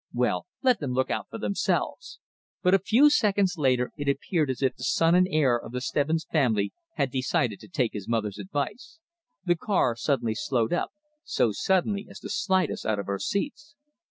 "Well, let them look out for themselves!" But a few seconds later it appeared as if the son and heir of the Stebbins family had decided to take his mother's advice. The car suddenly slowed up so suddenly as to slide us out of our seats.